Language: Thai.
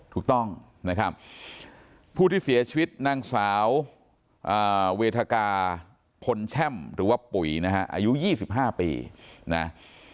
ถูกต้องนะครับผู้ที่เสียชีวิตนางสาวเวทกาพลแช่มหรือว่าปุ๋ยนะฮะอายุ๒๕ปีนะ